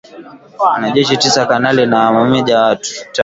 Wanajeshi tisa kanali na mameja watatu